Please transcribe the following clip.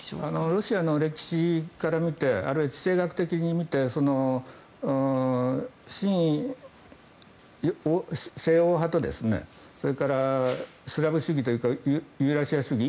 ロシアの歴史から見てあるいは地政学的に見て親西欧派それから、スラブ主義というかユーラシア主義